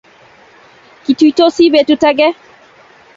Kituitosi petut age.